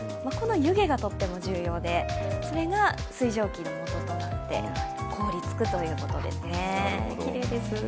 この湯気がとっても重要でそれが水蒸気のもととなって凍りつくということですね、きれいです。